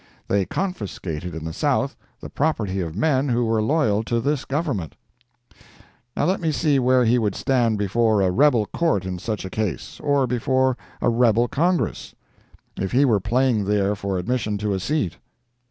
They confiscated in the South the property of men who were loyal to this Government. Not let me see where he would stand before a rebel Court in such a case; or before a rebel Congress, if he were applying there for admission to a seat.